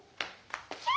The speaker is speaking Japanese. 「きゃ！